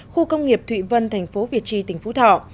khu công nghiệp thụy vân thành phố việt trì tỉnh phú thọ